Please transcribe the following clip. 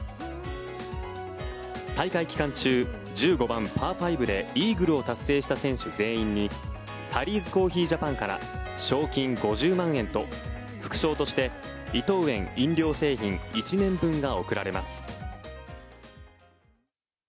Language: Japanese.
大会期間中１５番、パー５でイーグルを達成した選手全員にタリーズコーヒージャパンから賞金５０万円と副賞として伊藤園飲料製品１年分が贈られます。